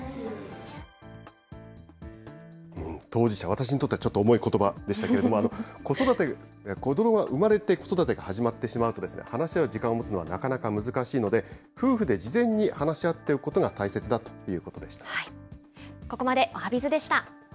私にとってはちょっと重いことばでしたけれども、子育て、子どもが産まれて、子育てが始まってしまうと、話し合う時間を持つのはなかなか難しいので、夫婦で事前に話し合っておくことが大切だということでした。